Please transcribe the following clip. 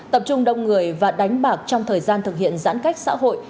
tập trung đông người và đánh bạc trong thời gian thực hiện giãn cách xã hội